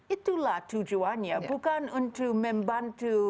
itulah tujuannya bukan untuk membantu